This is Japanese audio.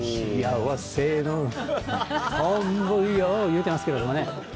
幸せのとんぼよ言うてますけれどもね。